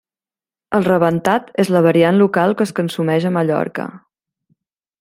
El rebentat és la variant local que es consumeix a Mallorca.